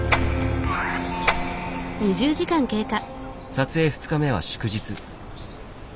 撮影２日目は祝日。